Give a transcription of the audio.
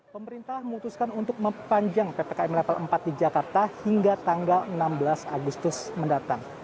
pemerintah memutuskan untuk mempanjang ppkm level empat di jakarta hingga tanggal enam belas agustus mendatang